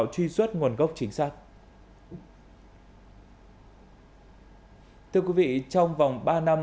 thưa quý vị trong vòng ba năm